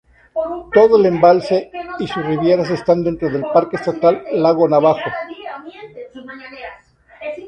Todo el embalse y sus riberas están dentro del Parque Estatal Lago Navajo.